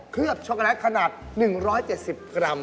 เคลือบโชโกะแท็กขนาด๑๗๐กรัม